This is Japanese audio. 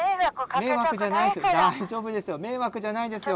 迷惑じゃないですよ。